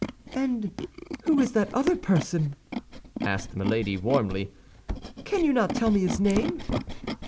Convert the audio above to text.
"And who is that other person?" asked Milady, warmly. "Can you not tell me his name?"